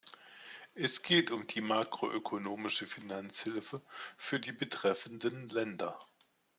Es geht um die makroökonomische Finanzhilfe für die betreffenden Länder.